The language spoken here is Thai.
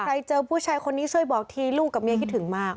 เจอผู้ชายคนนี้ช่วยบอกทีลูกกับเมียคิดถึงมาก